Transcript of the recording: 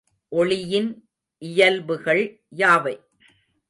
ஒளியின் இயல்புகள் யாவை?